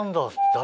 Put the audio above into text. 誰？